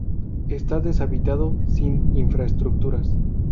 Está deshabitado, sin infraestructuras.